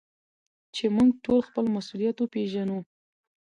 چي موږ ټول خپل مسؤليت وپېژنو.